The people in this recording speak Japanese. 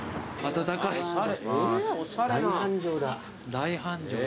大繁盛だ。